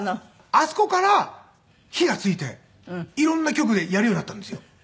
あそこから火がついて色んな局でやるようになったんですよ。